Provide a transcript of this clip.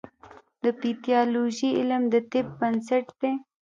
د پیتالوژي علم د طب بنسټ دی.